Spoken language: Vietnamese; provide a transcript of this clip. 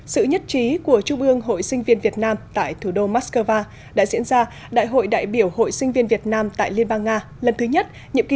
sự nhất trí của trung ương hội sinh viên việt nam tại thủ đô moscow đã diễn ra đại hội đại biểu hội sinh viên việt nam tại liên bang nga lần thứ nhất nhiệm kỳ hai nghìn hai mươi hai nghìn hai mươi